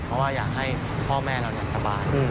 เพราะว่าอยากให้พ่อแม่เราสบาย